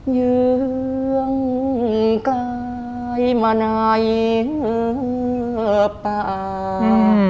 เงื่องกลายมาในหื้อป่าว